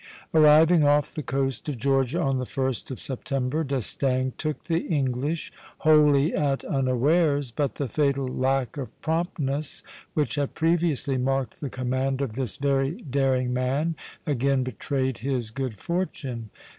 Arriving off the coast of Georgia on the 1st of September, D'Estaing took the English wholly at unawares; but the fatal lack of promptness, which had previously marked the command of this very daring man, again betrayed his good fortune.